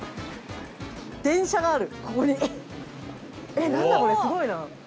ここにえっ何だこれすごいな。